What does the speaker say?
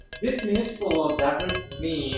Hatto onajonim ham tez-tez takrorlardi